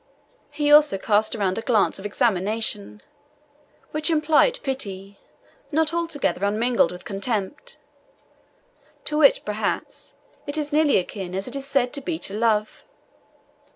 He also cast around a glance of examination, which implied pity not altogether unmingled with contempt, to which, perhaps, it is as nearly akin as it is said to be to love.